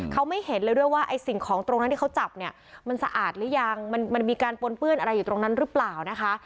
เขาไม่เห็นเลยด้วยว่าไอ้สิ่งของตรงนั้นที่เขาจับเนี่ยมันสะอาดหรือยังมันมีการปนเปื้อนอะไรอยู่ตรงนั้นหรือเปล่านะคะ